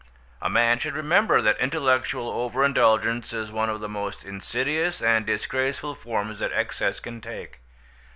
A man should remember that intellectual over indulgence is one of the most insidious and disgraceful forms that excess can take.